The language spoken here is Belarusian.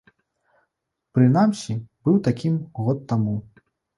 Прынамсі, быў такім год таму.